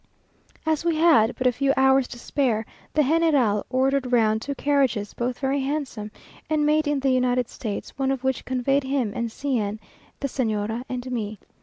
As we had but a few hours to spare, the General ordered round two carriages, both very handsome, and made in the United States, one of which conveyed him and C n, the Señora and me.